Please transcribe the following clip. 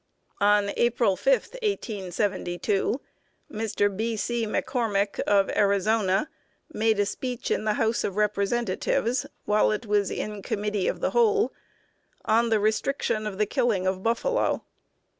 On April 5, 1872, Mr. B. C. McCormick, of Arizona, made a speech in the House of Representatives, while it was in Committee of the Whole, on the restriction of the killing of buffalo.